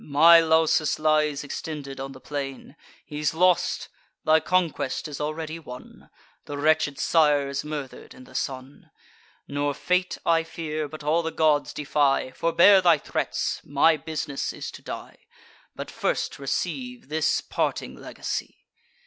My Lausus lies extended on the plain: He's lost! thy conquest is already won; The wretched sire is murder'd in the son. Nor fate I fear, but all the gods defy. Forbear thy threats: my bus'ness is to die; But first receive this parting legacy."